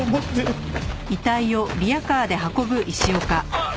あっ。